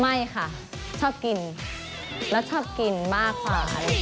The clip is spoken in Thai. ไม่ค่ะชอบกินแล้วชอบกินมากกว่าค่ะ